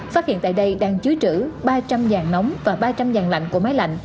phát hiện tại đây đang chứa trữ ba trăm linh dàn nóng và ba trăm linh dàn lạnh của máy lạnh